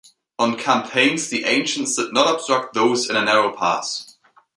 On campaigns the ancients did not obstruct those in a narrow pass.